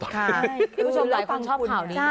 คุณผู้ชมทั้งคุณ